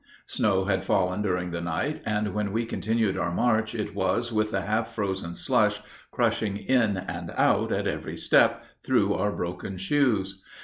Snow had fallen during the night, and when we continued our march it was with the half frozen slush crushing in and out, at every step, through our broken shoes.